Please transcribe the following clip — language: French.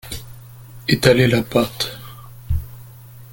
Etaler la pâte